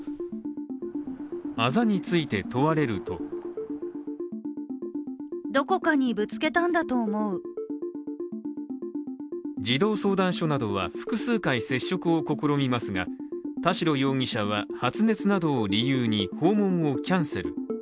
あざについて問われると児童相談所などは複数回接触を試みますが田代容疑者は、発熱などを理由に訪問をキャンセル。